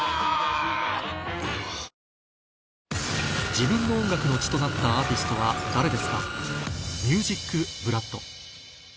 自分の音楽の血となったアーティストは誰ですか？